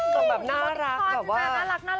ก็แบบน่ารัก